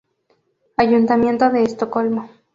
Ayuntamiento de Estocolmo